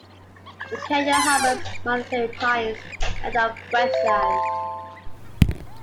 The canyon harbors Monterey pines and of wetland.